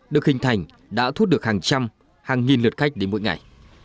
được hình thành đã thuốc được hàng trăm hàng nghìn lượt khách đến mỗi ngày